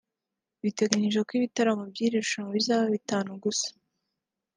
Biteganyijwe ko ibitaramo by’iri rushanwa bizaba bitanu gusa